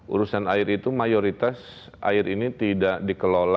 urusan air itu mayoritas air ini tidak dikelola